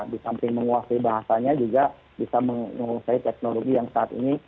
di samping menguasai bahasanya juga bisa menguasai teknologi yang saat ini